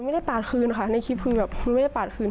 ไม่ได้ปาดคืนค่ะในคลิปคือเหมือนไม่ได้ปั่นคืน